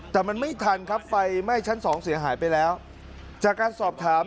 แต่มันไม่ทันครับไฟไหม้ชั้นสองเสียหายไปแล้วจากการสอบถาม